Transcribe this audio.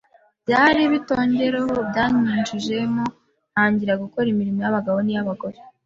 Bya bitongero byanyinjiyemo, ntangira gukora imirimo y’abagabo n’iy’abagore,